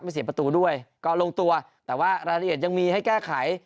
เสียประตูด้วยก็ลงตัวแต่ว่ารายละเอียดยังมีให้แก้ไข